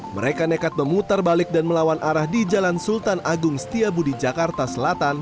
mereka nekat memutar balik dan melawan arah di jalan sultan agung setiabudi jakarta selatan